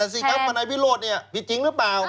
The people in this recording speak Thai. แต่สิครับวันนายพิโรธผิดจริงหรือเปล่า